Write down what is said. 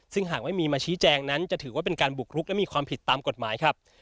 ซึ่งหากไม่มีมาชี้แจงนั้นจะถือว่าเป็นการบุกรุกและมีความผิดตามกฎหมายครับ